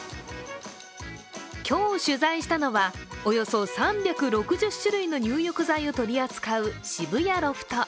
今日取材したのはおよそ３６０種類の入浴剤を取り扱う渋谷ロフト。